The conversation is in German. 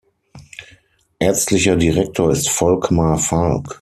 Ärztlicher Direktor ist Volkmar Falk.